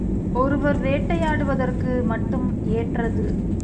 ஒருவர் வேட்டையாடுவதற்கு மட்டும் ஏற்றது.